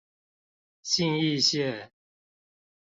信義線